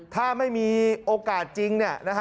ถ้าไม่มีโอกาสจริงเนี่ย